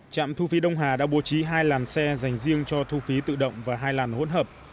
trạm thu phí đông hà đã bố trí hai làn xe dành riêng cho thu phí tự động và hai làn hỗn hợp